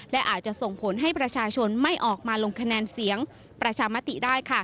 และอาจจะส่งผลให้ประชาชนไม่ออกมาลงคะแนนเสียงประชามติได้